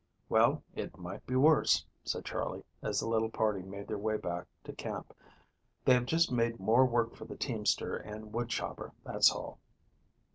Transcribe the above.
"Well, it might be worse," said Charley, as the little party made their way back to camp. "They have just made more work for the teamster and woodchopper, that's all."